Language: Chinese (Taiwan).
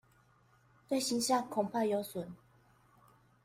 對形象恐怕有損